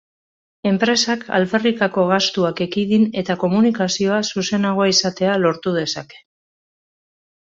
Enpresak alferrikako gastuak ekidin eta komunikazioa zuzenagoa izatea lortu dezake.